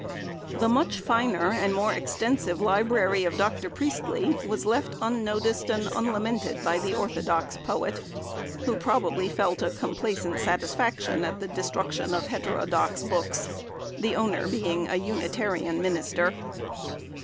The much finer and more extensive library of Dr. Priestley was left unnoticed and unlamented by the orthodox poet, who probably felt a complacent satisfaction at the destruction of heterodox books, the owner being an Unitarian Minister.